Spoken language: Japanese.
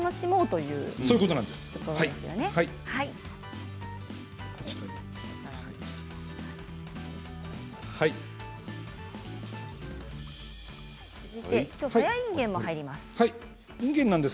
きょうはさやいんげんも入れます。